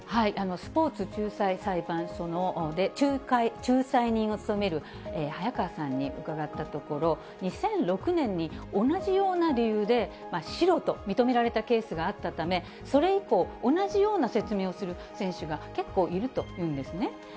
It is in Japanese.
スポーツ仲裁裁判所で仲裁人を務める早川さんに伺ったところ、２００６年に同じような理由でシロと認められたケースがあったため、それ以降、同じような説明をする選手が結構いるというんですね。